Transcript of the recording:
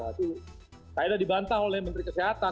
itu tidak dibantah oleh menteri kesehatan